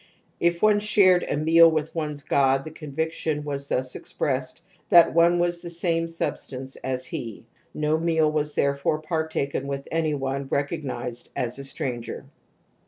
If one shared a meal INFANTILE RECURRENCE OF TOTEMISM 225 with one's god the conviction was thus expressed that one was of the same substance as he ; no meal was therefore partaken with any one recognized as a stranger.